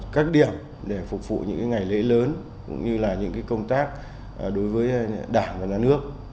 các điểm để phục vụ những ngày lễ lớn cũng như là những công tác đối với đảng và nhà nước